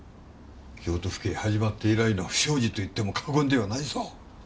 京都府警始まって以来の不祥事と言っても過言ではないぞ。